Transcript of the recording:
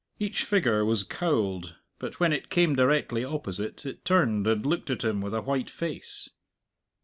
Each figure was cowled; but when it came directly opposite, it turned and looked at him with a white face.